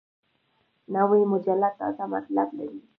نوې مجله تازه مطالب لري